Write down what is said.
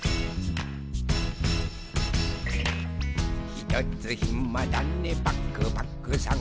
「ひとつひまだねパクパクさん」